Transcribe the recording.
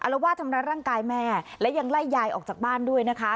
ละวาดทำร้ายร่างกายแม่และยังไล่ยายออกจากบ้านด้วยนะคะ